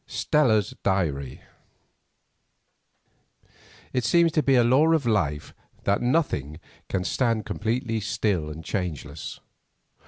STELLA'S DIARY It seems to be a law of life that nothing can stand completely still and changeless.